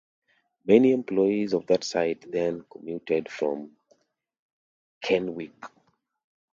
Many employees of that site then commuted from Kennewick.